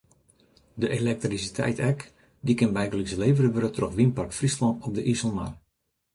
De elektrisiteit ek: dy kin bygelyks levere wurde troch Wynpark Fryslân op de Iselmar.